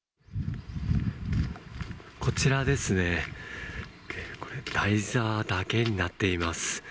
こちらですね、これ、台座だけになっています。